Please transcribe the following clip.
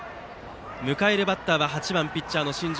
迎えるバッターは８番ピッチャーの新庄。